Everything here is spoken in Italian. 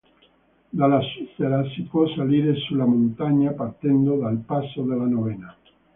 Dalla Svizzera si può salire sulla montagna partendo dal passo della Novena.